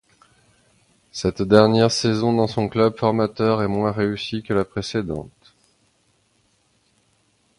Cette dernière saison dans son club formateur est moins réussie que la précédente.